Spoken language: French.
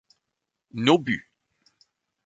No buts!